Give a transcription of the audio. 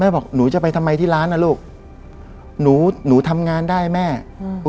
บอกหนูจะไปทำไมที่ร้านนะลูกหนูหนูทำงานได้แม่อืม